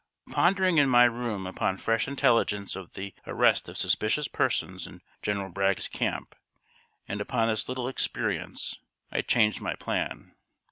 Pondering in my room upon fresh intelligence of the arrest of suspicious persons in General Bragg's camp, and upon this little experience, I changed my plan.